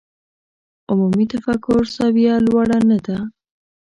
عمومي تفکر سویه لوړه نه ده.